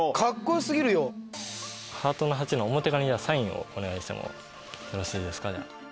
ハートの８の表側にサインをお願いしてもよろしいですか？